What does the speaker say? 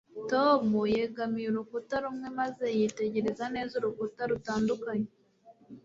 tom yegamiye urukuta rumwe maze yitegereza neza urukuta rutandukanye